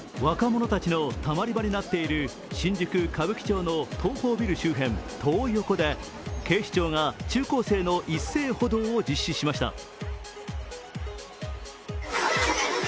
若者たちのたまり場になっている新宿・歌舞伎町の東宝ビル周辺、トー横で警視庁が中高生の一斉補導を実施しました。